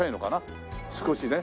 少しね。